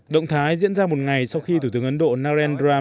động thái diễn ra một ngày sau khi thủ tướng ấn độ narendram